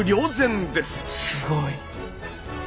すごい！